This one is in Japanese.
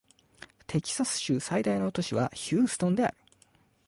テキサス州の最大都市はヒューストンである